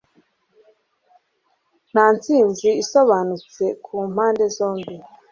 nta ntsinzi isobanutse kumpande zombi .